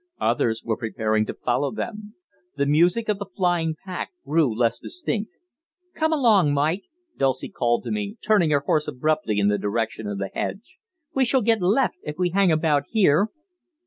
Others were preparing to follow them. The music of the flying pack grew less distinct. "Come along, Mike!" Dulcie called to me, turning her horse abruptly in the direction of the hedge, "we shall get left if we hang about here."